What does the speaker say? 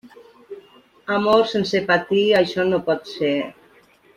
Amor sense patir, això no pot ser.